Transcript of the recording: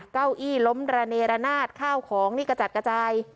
เก้าอี้ล้มระเนรนาศข้าวของนี่กระจัดกระจาย